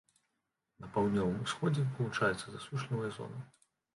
На паўднёвым усходзе вылучаецца засушлівая зона.